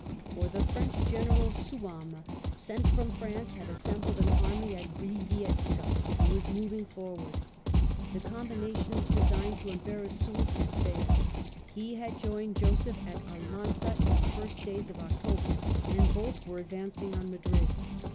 For the French General Souham, sent from France, had assembled an army at Briviesca and was moving forward. The combinations designed to embarrass Soult had failed ; he had joined Joseph at Almanza in the first days of October, and both were advancing on Madrid.